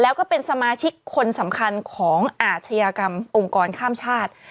แล้วก็เป็นสมาชิกคนสำคัญของอาชญากรรมองค์กรข้ามชาติ